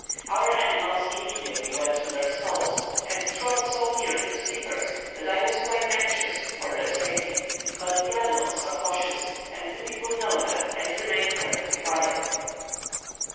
Our animals immediately went to their stalls, and trod so near to the sleepers, that I was quite anxious for their safety; but the animals are cautious, and the people know that, and remain perfectly quiet.